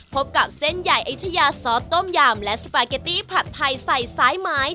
พบกับเส้นใหญ่อายุทยาซอสต้มยำและสปาเกตตี้ผัดไทยใส่ซ้ายไม้